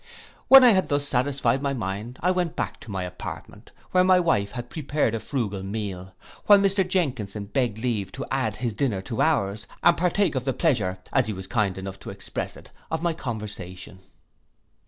When I had thus satisfied my mind, I went back to my apartment, where my wife had prepared a frugal meal, while Mr Jenkinson begged leave to add his dinner to ours, and partake of the pleasure, as he was kind enough to express it of my conversation.